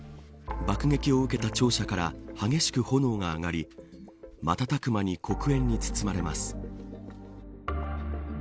爆撃を受けた庁舎から激しく炎が上がり瞬く間に黒煙に包まれます。